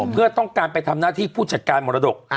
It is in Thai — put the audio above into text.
เพื่อต้องการไปทำหน้าที่ผู้จัดการมรดก